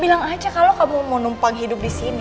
bilang aja kalau kamu mau numpang hidup di sini